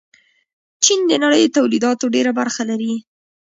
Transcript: چین د نړۍ تولیداتو ډېره برخه لري.